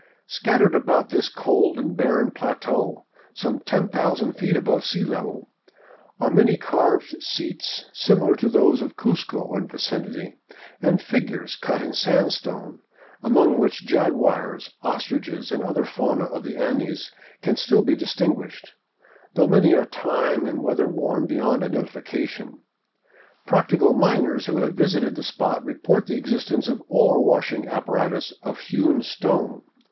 Scattered about this cold and barren plateau, some 10,000 feet above sea level, are many carved seats, similar to those of Cuzco and vicinity, and figures cut in sandstone, among which jaguars, ostriches, and other fauna of the Andes can still be distinguished, though many are time and weather worn beyond identification. Practical miners who have visited the spot report the existence of ore washing apparatus of hewn stone.